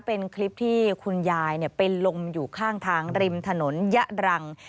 เป็นคลิปที่คุณยายเป็นลมอยู่ข้างทางริมถนนยะรัง